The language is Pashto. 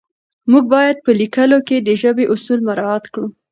موږ باید په لیکلو کې د ژبې اصول مراعت کړو